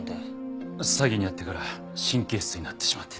詐欺に遭ってから神経質になってしまって。